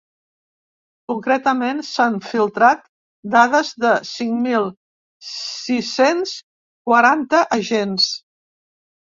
Concretament, s’han filtrat dades de cinc mil sis-cents quaranta agents.